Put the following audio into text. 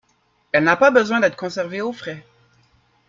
Elle n'a pas besoin d'être conservée au frais.